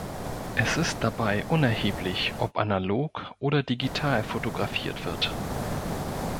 Es ist dabei unerheblich, ob analog oder digital fotografiert wird.